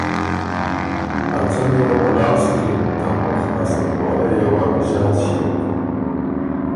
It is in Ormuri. ا څمی وه ملال سُکِن، ته مُخ ا سُوڒوالئ یه وه ݫات ݭیوک